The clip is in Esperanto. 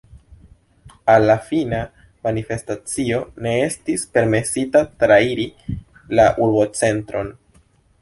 Al la fina manifestacio ne estis permesita trairi la urbocentron.